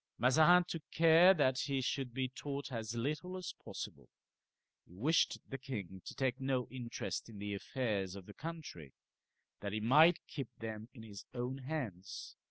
Mazarin took care that he should be taught as little as possible. He wished the king to take no interest in the affairs of the country, that he might keep them in his own hands.